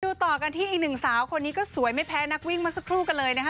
ต่อกันที่อีกหนึ่งสาวคนนี้ก็สวยไม่แพ้นักวิ่งมาสักครู่กันเลยนะคะ